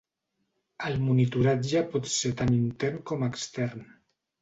El monitoratge pot ser tant intern com extern.